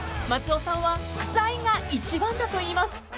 ［松尾さんは「臭い」が一番だといいます］